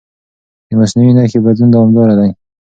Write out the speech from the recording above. د مصنوعي نښې بدلون دوامداره دی.